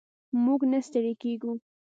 موږ نه ستړي کیږو.